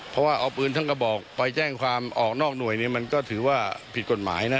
เพราะว่าเอาปืนทั้งกระบอกไปแจ้งความออกนอกหน่วยเนี่ยมันก็ถือว่าผิดกฎหมายนะ